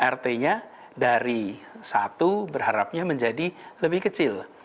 rt nya dari satu berharapnya menjadi lebih kecil